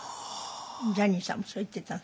ジャニーさんもそう言ってたの？